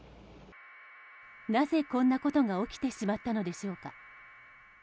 なぜ、こんなことが起きてしまったのでしょうか。